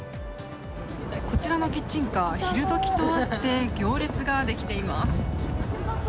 こちらのキッチンカー昼時とあって行列ができています。